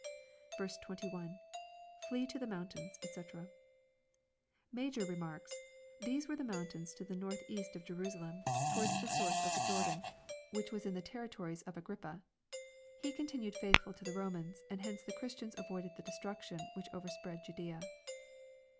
21,— [i^Tee to the mourUainSy (d&c] Major remarks, "These were the mountains to the north east of Jerusalem towards the LUKE, CHAP. XXI. 373 source of the Jordan, which was in the territories of Agrippa . He continued faithful to the Romans ; and hence the Christians avoided the destruction which overspread Judaea."